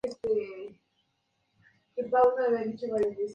Sin embargo, cuando llegaron descubrieron que sus predecesores se habían ido.